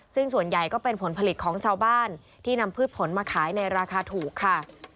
ซึ่งส่วนใหญ่ก็เป็นผลผลิตของชาวบ้านที่นำพืชผลมาขายในราคาถูกค่ะ